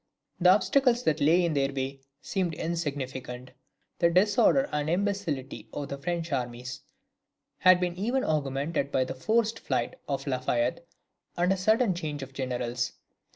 The obstacles that lay in their way seemed insignificant. The disorder and imbecility of the French armies had been even augmented by the forced flight of La Fayette, and a sudden change of generals.